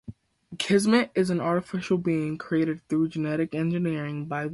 Kismet is an artificial being created through genetic engineering by the Enclave.